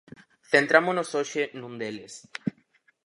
Centrámonos hoxe nun deles.